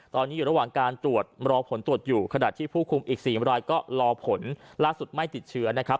ตอนนี้อยู่ระหว่างการตรวจรอผลตรวจอยู่ขณะที่ผู้คุมอีก๔รายก็รอผลล่าสุดไม่ติดเชื้อนะครับ